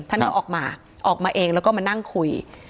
ท่านก็ออกมาออกมาเองแล้วก็มานั่งคุย